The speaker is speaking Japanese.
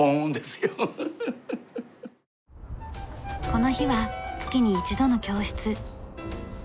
この日は月に一度の教室。